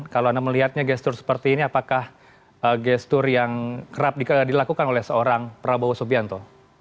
kalau anda melihatnya gestur seperti ini apakah gestur yang kerap dilakukan oleh seorang prabowo subianto